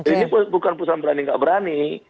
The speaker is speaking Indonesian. ini bukan perusahaan berani nggak berani